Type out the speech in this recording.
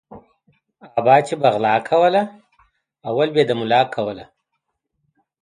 ابا به چی غلا کوله اول به یی د ملا کوله